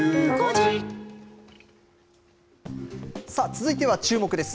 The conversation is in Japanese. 続いてはチューモク！です。